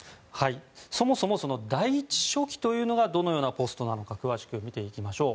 そもそも第１書記というのはどのようなポストなのか詳しく、見ていきましょう。